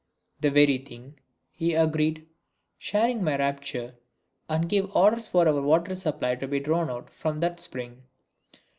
"The very thing," he agreed, sharing my rapture, and gave orders for our water supply to be drawn from that spring.